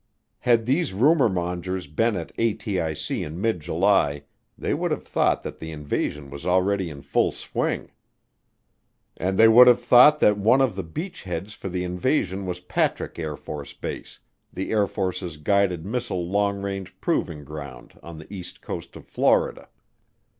Had these rumormongers been at ATIC in mid July they would have thought that the invasion was already in full swing. And they would have thought that one of the beachheads for the invasion was Patrick AFB, the Air Force's Guided Missile Long Range Proving Ground on the east coast of Florida.